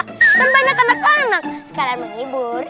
kan banyak anak anak sekarang menghibur